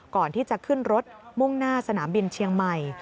ก่อนที่จะขึ้นรถมุ่งหน้าสนามบินเชียงใหม่